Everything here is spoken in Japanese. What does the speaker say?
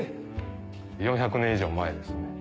４００年以上前ですね。